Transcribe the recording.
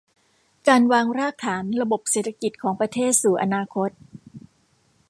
การวางรากฐานระบบเศรษฐกิจของประเทศสู่อนาคต